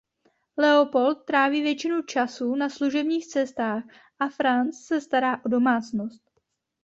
Leopold tráví většinu času na služebních cestách a Franz se stará o domácnost.